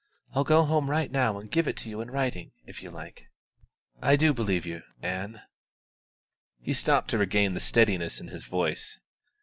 I'll go right home now and give it to you in writing, if you like." "I do believe you, Ann." He stopped to regain the steadiness of his voice.